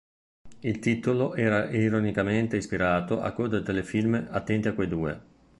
Il titolo era ironicamente ispirato a quello del telefilm "Attenti a quei due".